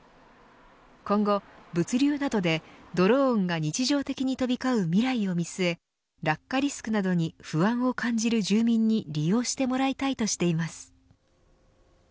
今後、物流などでドローンが日常的に飛び交う未来を見据え落下リスクなどに不安を感じる住民に利用してもらいたいとしています。